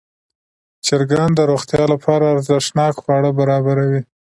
چرګان د روغتیا لپاره ارزښتناک خواړه برابروي.